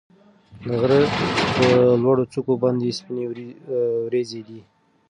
د غره په لوړو څوکو باندې سپینې وريځې دي.